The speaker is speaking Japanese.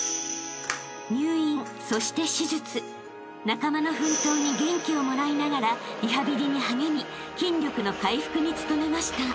［仲間の奮闘に元気をもらいながらリハビリに励み筋力の回復に努めました］